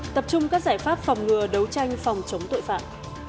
tập trung các giải pháp phòng ngừa đấu tranh phòng chống tội phạm